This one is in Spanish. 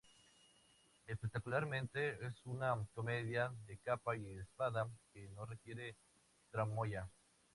Espectacularmente, es una comedia de capa y espada que no requiere tramoya.